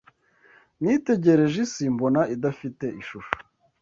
Nitegereje isi mbona idafite ishusho